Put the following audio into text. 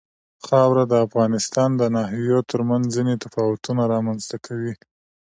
خاوره د افغانستان د ناحیو ترمنځ ځینې تفاوتونه رامنځ ته کوي.